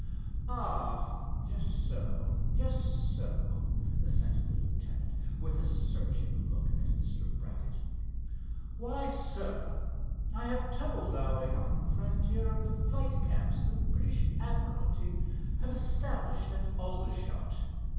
"Ah, just so, just so," assented the lieutenant, with a searching look at Mr. Brackett. "Why, sir, I have told our young friend here of the flight camps the British admiralty have established at Aldershot.